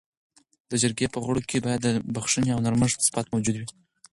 د جرګې په غړو کي باید د بخښنې او نرمښت صفت موجود وي.